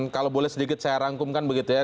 kalau boleh sedikit saya rangkumkan begitu ya